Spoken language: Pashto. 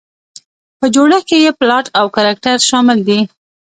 په جوړښت کې یې پلاټ او کرکټر شامل دي.